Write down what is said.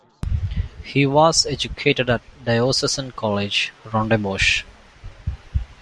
He was educated at Diocesan College, Rondebosch.